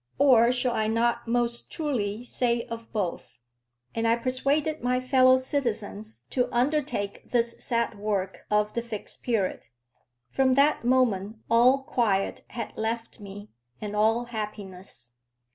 or shall I not most truly say of both? and I persuaded my fellow citizens to undertake this sad work of the Fixed Period. From that moment all quiet had left me, and all happiness.